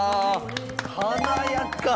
華やか！